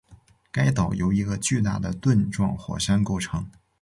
该岛由一个巨大的盾状火山构成